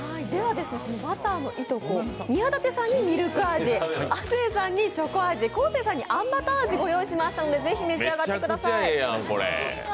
バターのいとこ、宮舘さんにミルク味亜生さんにチョコ味、昴生さんにあんバター味をご用意しましので、ぜひ召し上がってください。